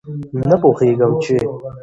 نه پوهېږم چې